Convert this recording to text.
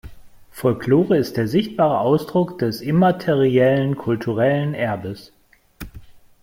Folklore ist der sichtbare Ausdruck des immateriellen kulturellen Erbes.